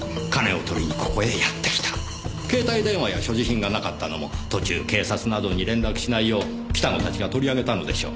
携帯電話や所持品がなかったのも途中警察などに連絡しないよう北野たちが取り上げたのでしょう。